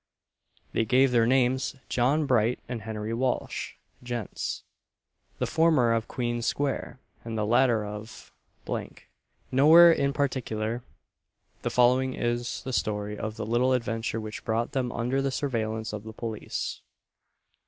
They gave their names John Bright and Henry Walsh, gents. the former of Queen's square, and the latter of "nowhere in particular." The following is the story of the little adventure which brought them under the surveillance of the police.